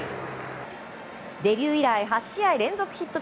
デビュー以来８試合連続ヒット